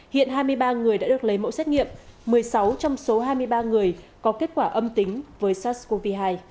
hiện hai mươi ba người đã được lấy mẫu xét nghiệm một mươi sáu trong số hai mươi ba người có kết quả âm tính với sars cov hai